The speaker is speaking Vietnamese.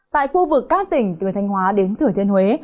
tại khu vực các tỉnh từ thanh hóa đến thừa thiên huế